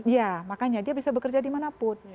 ya makanya dia bisa bekerja di mana pun